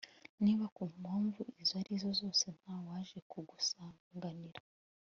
niba ku mpamvu izo arizo zose nta waje kugusanganira